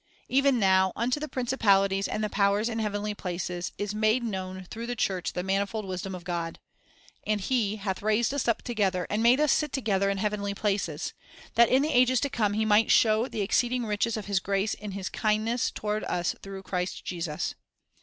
Even now, "unto the principalities and the powers in the heavenly places" is "made known through the "The Glory church the manifold wisdom of God." And He "hath Mysterv" raised us up together, and made us sit together in heavenly places; ... that in the ages to come He might show the exceeding riches of His grace in His kindness toward us through Christ Jesus."